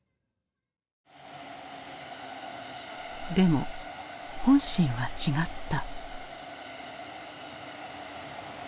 でも本心は違った。